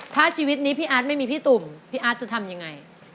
ถ้าชีวิตนี้พี่อาร์ตไม่มีพี่ตุ่มพี่อาร์ตจะทำยังไง